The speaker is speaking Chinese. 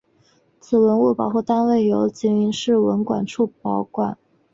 该文物保护单位由吉林市文管处管理。